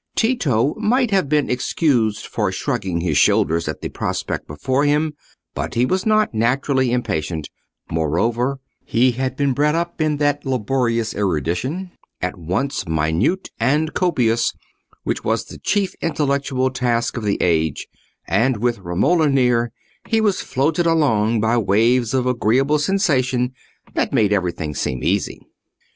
Tito might have been excused for shrugging his shoulders at the prospect before him, but he was not naturally impatient; moreover, he had been bred up in that laborious erudition, at once minute and copious, which was the chief intellectual task of the age; and with Romola near, he was floated along by waves of agreeable sensation that made everything seem easy.